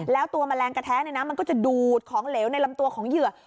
แล้วตัวแมลงกระแท้มันก็จะดูดของเหลวในลำตัวของเหยื่อ